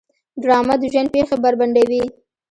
ډرامه د ژوند پېښې بربنډوي